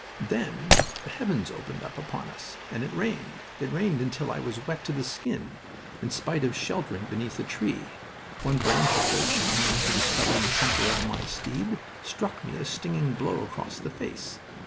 Then the heavens opened upon us and it rained. It rained until I was wet to the skin, in spite of sheltering beneath a tree, one branch of which, owing to the stubborn temper of my steed, struck me a stinging blow across the face.